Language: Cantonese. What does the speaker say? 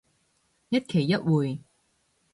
一期一會